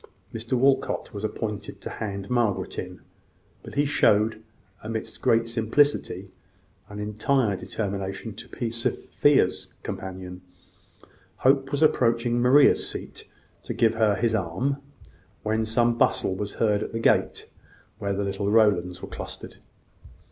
Mr Walcot was appointed to hand Margaret in; but he showed, amidst great simplicity, an entire determination to be Sophia's companion. Hope was approaching Maria's seat, to give her his arm, when some bustle was heard at the gate where the little Rowlands were clustered.